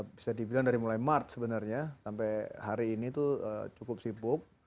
bisa dibilang dari mulai maret sebenarnya sampai hari ini itu cukup sibuk